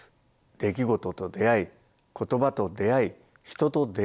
出来事と出会い言葉と出会い人と出会う。